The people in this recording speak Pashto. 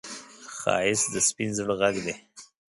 ښایست د سپين زړه غږ دی